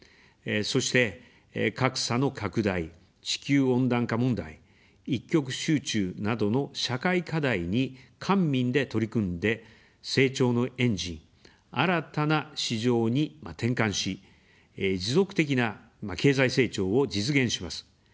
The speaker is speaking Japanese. そして、格差の拡大、地球温暖化問題、一極集中などの社会課題に官民で取り組んで、成長のエンジン、新たな市場に転換し、持続的な経済成長を実現します。